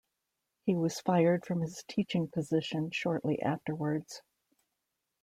He was fired from his teaching position shortly afterwards.